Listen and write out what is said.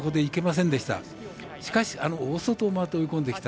しかし、大外を回って追い込んできた。